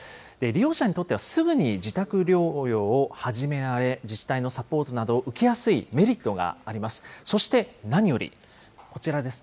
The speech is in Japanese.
利用者にとってはすぐに自宅療養を始められ、自治体のサポートなどを受けやすいメリットがあります。